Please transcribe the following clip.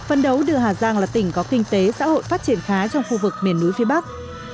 phân đấu đưa hà giang là tỉnh có kinh tế xã hội phát triển khá trong khu vực miền núi phía bắc